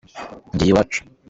Ngiye iwacu